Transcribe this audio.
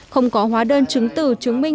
không có hóa đơn chứng từ chứng minh